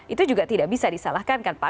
itu juga tidak bisa disalahkan kan pak